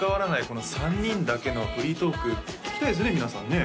この３人だけのフリートーク聞きたいですよね？